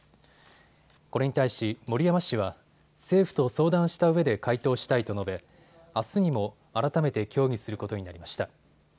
これに対し森山氏は政府と相談したうえで回答したいと述べあすにも改めて協議することになりました。